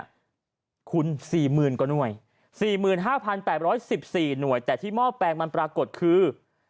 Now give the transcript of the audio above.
ใช้ไฟเนี่ยคุณ๔๐๐๐๐กว่านวย๔๕๘๑๔หน่วยแต่ที่มอบแปลงมันปรากฏคือ